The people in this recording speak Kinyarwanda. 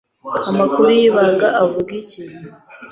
Amakuru y'ibanga avuga iki